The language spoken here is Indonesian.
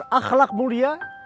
yang berakhlak mulia